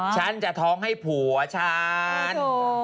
ฉันจะท้องให้ผัวฉัน